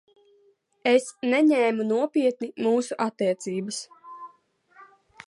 Es neņēmu nopietni mūsu attiecības.